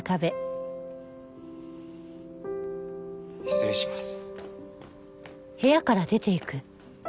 失礼します。